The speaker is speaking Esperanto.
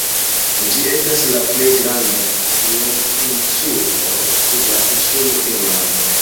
Ĝi estas la plej granda duoninsulo sur la insulo Irlando.